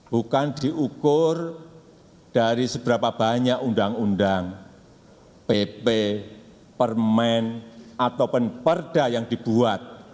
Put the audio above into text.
bukan diukur dari seberapa banyak undang undang pp permen ataupun perda yang dibuat